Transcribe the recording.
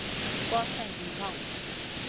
國情唔同